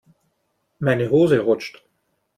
Meine Hose rutscht.